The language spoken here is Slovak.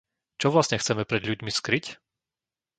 Čo vlastne chceme pred ľuďmi skryť?